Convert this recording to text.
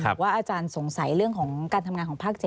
ว่าอาจารย์สงสัยเรื่องของการทำงานของภาค๗